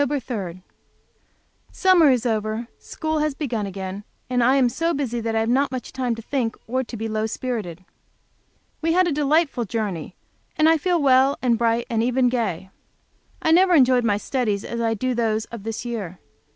3. Summer is over, school has begun again, and I am so busy that I have not much time to think, to be low spirited. We had a delightful journey, and I feel well and bright, and even gay. I never enjoyed my studies as I do those of this year.